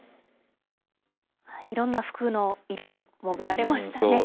いろんな服の色も見られましたね。